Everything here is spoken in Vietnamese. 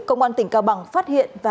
công an tỉnh cao bằng phát hiện